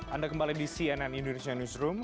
anda kembali di cnn indonesia newsroom